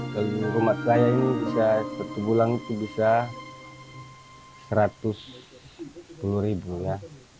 kalau rumah saya ini bisa satu bulan itu bisa rp satu ratus sepuluh ya